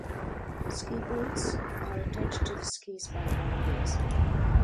Ski boots are attached to the skis by bindings.